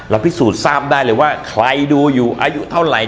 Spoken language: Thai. พิสูจน์ทราบได้เลยว่าใครดูอยู่อายุเท่าไหร่